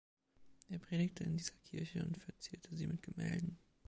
Er predigte in dieser Kirche und verzierte sie mit Gemälden.